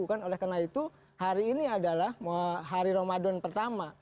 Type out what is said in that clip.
karena itu hari ini adalah hari ramadan pertama